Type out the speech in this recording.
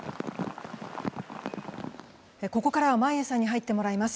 ここからは眞家さんに入ってもらいます。